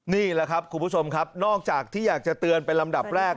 นี่แหละครับคุณผู้ชมครับนอกจากที่อยากจะเตือนเป็นลำดับแรก